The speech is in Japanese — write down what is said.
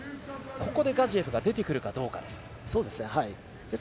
ここでガジエフが出てくるかどうかです。